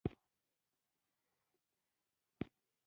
کوچیان د افغانستان د اقلیم ځانګړتیا ده.